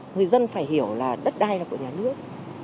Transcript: người dân phải hiểu là đất đai là của nhà nước